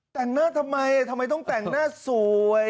แต่งหน้าทำไมทำไมต้องแต่งหน้าสวย